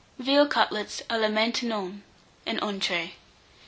VEAL CUTLETS a la Maintenon (an Entree).